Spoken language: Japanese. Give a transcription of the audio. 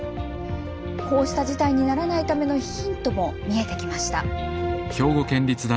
こうした事態にならないためのヒントも見えてきました。